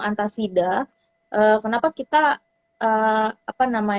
antasida kenapa kita